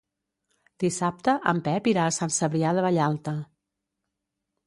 Dissabte en Pep irà a Sant Cebrià de Vallalta.